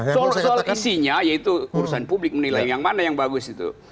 soal soal isinya yaitu urusan publik menilai yang mana yang bagus itu